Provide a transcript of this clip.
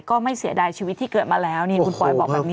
ไม่เสียดายชีวิตที่เกิดมาแล้วนี่คุณปอยบอกแบบนี้